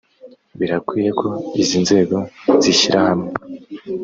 birakwiye ko izi nzego zishyirahamwe.